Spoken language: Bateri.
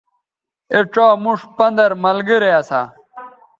اے ڇا موش پندَر ملگرے اسا